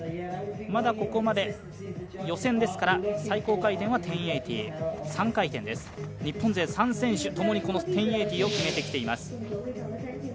まだ、ここまで予選ですから、最高回転は１０８０３回転です、日本勢３選手ともに、この１０８０を持っています。